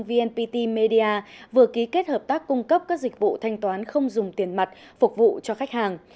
vnpt media vừa ký kết hợp tác cung cấp các dịch vụ thanh toán không dùng tiền mặt phục vụ cho khách hàng